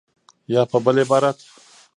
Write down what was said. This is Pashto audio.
یا په بل عبارت